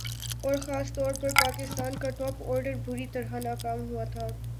اور خاص طور پر پاکستان کا ٹاپ آرڈر بری طرح ناکام ہوا تھا